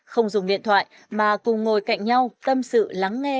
không dùng điện thoại mà cùng ngồi cạnh nhau tâm sự lắng nghe